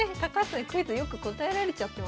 クイズよく答えられちゃってますから。